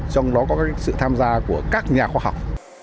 trong đó có sự tham gia của các nhà khoa học